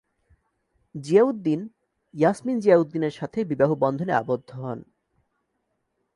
জিয়াউদ্দিন "ইয়াসমিন জিয়াউদ্দিনে"র সাথে বিবাহ বন্ধনে আবদ্ধ হন।